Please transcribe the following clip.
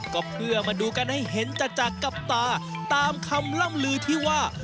ก็เพื่อมาดูกันให้เห็นจัดกับตาตามคำล่ำลือที่ว่า